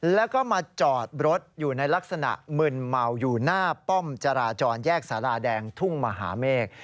แล้วก็มาจอดรถอยู่ในลักษณะมึนเมาอยู่หน้าป้อมจราจรแยกสาราแดงทุ่งมหาเมฆ